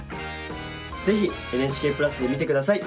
是非「ＮＨＫプラス」で見て下さい！